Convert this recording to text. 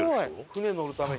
船に乗るために？